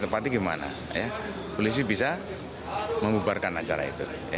polisi bisa membubarkan acara itu